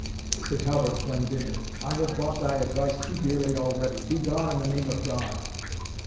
said Halbert Glendinning; "I have bought thy advice too dearly already Begone in the name of God!"